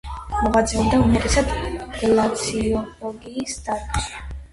მოღვაწეობდა უმეტესად გლაციოლოგიის დარგში.